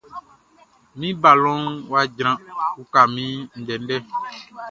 Min balɔnʼn wʼa jran, uka min ndɛndɛ!